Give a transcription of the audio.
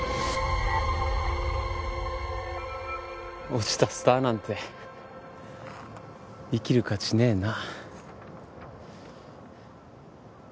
墜ちたスターなんて生きる価値ねえな。